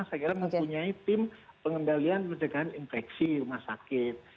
saya kira mempunyai tim pengendalian pencegahan infeksi rumah sakit